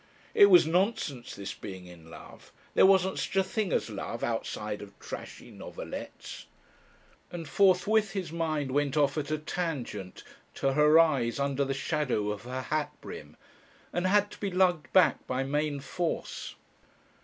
It was nonsense this being in love; there wasn't such a thing as love outside of trashy novelettes. And forthwith his mind went off at a tangent to her eyes under the shadow of her hat brim, and had to be lugged back by main force.